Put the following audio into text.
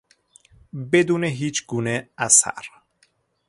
بدون هیچگونه اثر